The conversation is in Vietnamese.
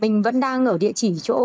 mình vẫn đang ở địa chỉ chỗ